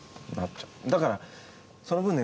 だからその分ね